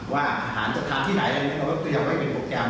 ว่าขนาดจะทางที่ไหนอะไรอย่างนี้เราก็เตรียมไว้เป็นโปรแกรม